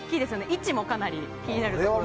位置もかなり気になるところ。